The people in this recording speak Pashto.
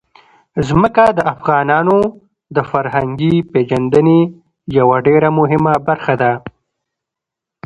ځمکه د افغانانو د فرهنګي پیژندنې یوه ډېره مهمه برخه ده.